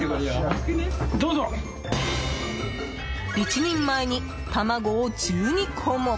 １人前に卵を１２個も。